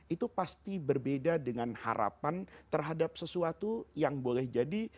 itu pasti berbeda dengan harapan terhadap sesuatu yang boleh jadi